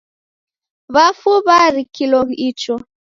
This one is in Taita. W'afu w'arikilo icho